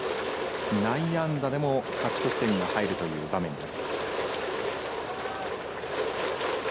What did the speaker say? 内野安打でも勝ち越し点が入るという場面です。